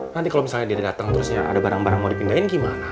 nanti kalau misalnya dia dateng terusnya ada barang barang mau dipindahin gimana